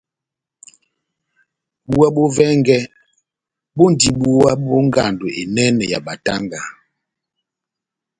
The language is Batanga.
Búwa bó vɛngɛ bondi búwa bó ngando enɛnɛ ya batanga.